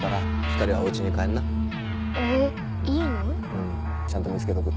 うん。ちゃんと見つけとく。